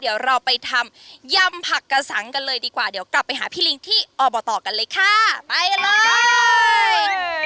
เดี๋ยวเราไปทำยำผักกระสังกันเลยดีกว่าเดี๋ยวกลับไปหาพี่ลิงที่อบตกันเลยค่ะไปกันเลย